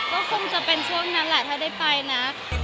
ก็คงจะเป็นช่วงนั้นแหละถ้าได้ไปนะ